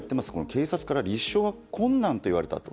警察から立証は困難だといわれたと。